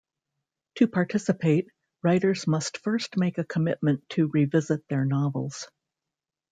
To participate, writers must first make a commitment to revisit their novels.